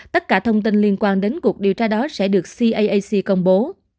tất cả thông tin liên quan đến cuộc điều tra đó sẽ được cac công bố